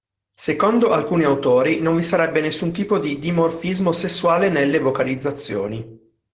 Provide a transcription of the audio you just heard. Secondo alcuni autori, non vi sarebbe nessun tipo di dimorfismo sessuale nelle vocalizzazioni.